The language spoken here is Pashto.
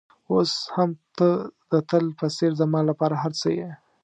اوس هم ته د تل په څېر زما لپاره هر څه یې.